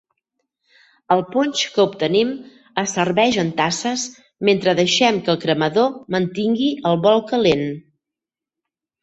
El ponx que obtenim es serveix en tasses mentre deixem que el cremador mantingui el bol calent.